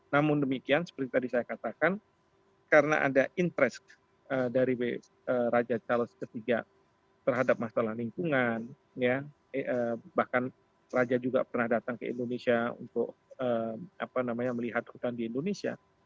namun demikian seperti tadi saya katakan karena ada interest dari raja charles iii terhadap masalah lingkungan bahkan raja juga pernah datang ke indonesia untuk melihat hutan di indonesia